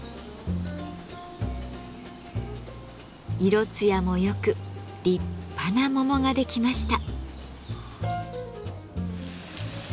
色つやもよく立派な桃ができました。